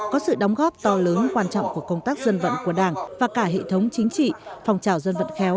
có sự đóng góp to lớn quan trọng của công tác dân vận của đảng và cả hệ thống chính trị phòng trào dân vận khéo